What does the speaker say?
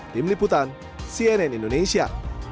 tim liputan cnn indonesia